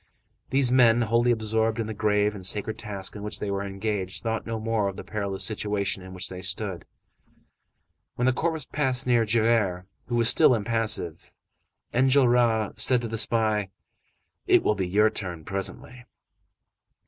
These men, wholly absorbed in the grave and sacred task in which they were engaged, thought no more of the perilous situation in which they stood. When the corpse passed near Javert, who was still impassive, Enjolras said to the spy:— "It will be your turn presently!"